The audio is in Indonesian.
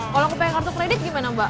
kalau aku pengen kartu kredit gimana mbak